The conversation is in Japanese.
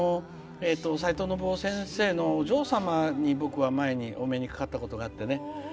斎藤信夫先生のお嬢様に僕は、前にお目にかかったことがあってね